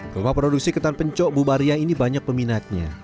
rumah produksi ketan pencok bu maria ini banyak peminatnya